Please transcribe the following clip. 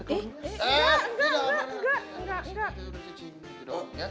eh enggak enggak enggak enggak